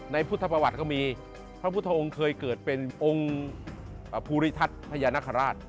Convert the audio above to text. พุทธประวัติก็มีพระพุทธองค์เคยเกิดเป็นองค์ภูริทัศน์พญานาคาราช